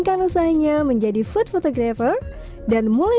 range nya berapa kira kira nih